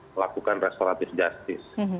melakukan restoratif justice